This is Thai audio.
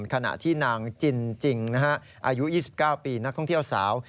ขณะที่นางจินจริงอายุ๒๙ปีนักท่องเที่ยวสาว